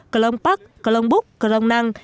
cờ long park cờ long búc cờ long năng